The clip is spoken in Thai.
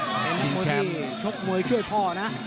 เป็นทฤทธิ์ชกมวยช่วยพ่อนะ